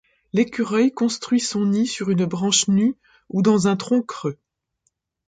L'écureuil construit son nid sur une branche nue ou dans un tronc creux.